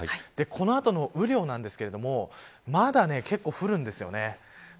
この後の雨量なんですけれどもまだ、結構降るんですよね。